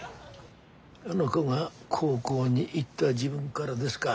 あの子が高校に行った時分がらですか。